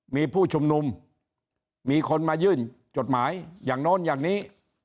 มีผู้ชุมนุมมีคนมายื่นจดหมายอย่างโน้นอย่างนี้